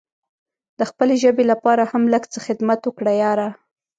د خپلې ژبې لپاره هم لږ څه خدمت وکړه یاره!